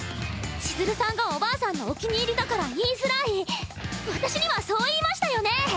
千鶴さんがおばあさんのお気に入りだから言いづらい私にはそう言いましたよね？